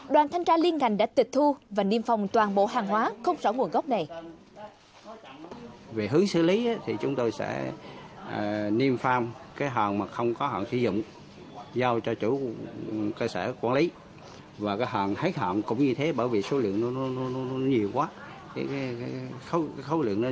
đoàn thanh tra liên ngành đã tịch thu và niêm phòng toàn bộ hàng hóa không rõ nguồn gốc này